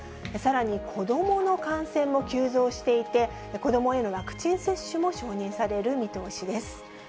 さらに子どもの感染も急増していて、子どもへのワクチン接種も承認される見通しです。